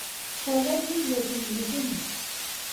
هغه ليد ورپېرزو کړي.